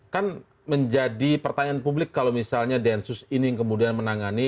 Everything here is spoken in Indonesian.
kan menjadi pertanyaan publik kalau misalnya densus ini yang kemudian menangani